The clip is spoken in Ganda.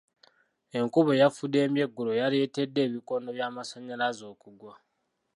Enkuba eyafuddembye eggulo yaleetedde ebikondo by'amasannyalaze okugwa.